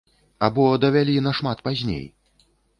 Або давялі нашмат пазней?